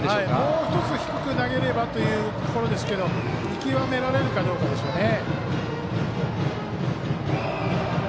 もう１つ、低く投げればというところですけど見極められるかどうかでしょうね。